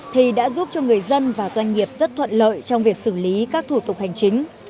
thì đã giúp cho người dân và doanh nghiệp rất thuận lợi trong việc xử lý các thủ tục hành chính